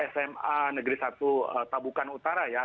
sma negeri satu tabukan utara ya